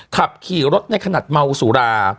ขับขี่รถในขณะเมาสุรา